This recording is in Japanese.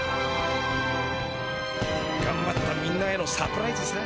がんばったみんなへのサプライズさ。